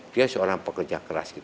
dia seorang pekerja keras